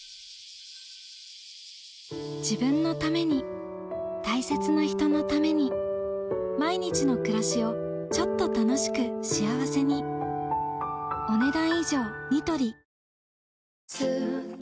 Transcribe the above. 自分のために大切な人のために毎日の暮らしをちょっと楽しく幸せにここです。